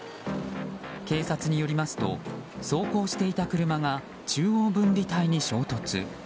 警察によりますと走行していた車が中央分離帯に衝突。